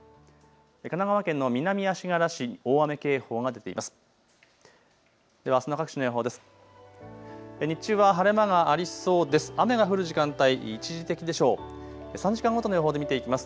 神奈川県の南足柄市、大雨警報が出ています。